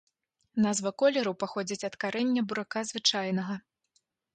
Назва колеру паходзіць ад карэння бурака звычайнага.